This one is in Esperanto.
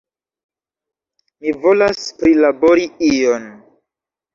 Mi volas prilabori ion!